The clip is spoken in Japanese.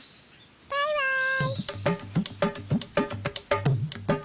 バイバーイ！